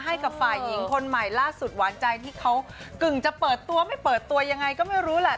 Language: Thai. ให้กับฝ่ายหญิงคนใหม่ล่าสุดหวานใจที่เขากึ่งจะเปิดตัวไม่เปิดตัวยังไงก็ไม่รู้แหละ